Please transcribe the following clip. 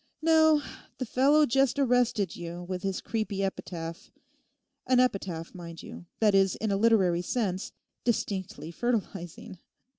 No; the fellow just arrested you with his creepy epitaph: an epitaph, mind you, that is in a literary sense distinctly fertilizing.